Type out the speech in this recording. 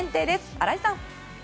荒井さん。